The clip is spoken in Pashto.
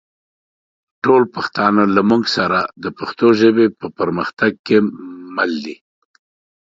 ټول پښتانه دا مونږ سره د پښتو ژبې په پرمختګ کې مل دي